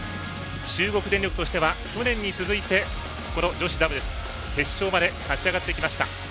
中国電力としては去年に続いて女子ダブルス決勝まで勝ち上がってきました。